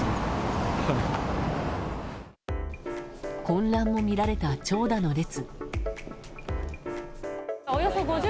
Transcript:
混乱も見られた長蛇の列。